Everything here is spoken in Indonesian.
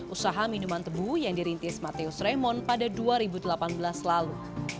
usaha minuman tebu yang dirintis mateus raymond pada dua ribu delapan belas lalu